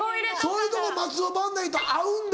そういうとこ松尾伴内と合うんだ。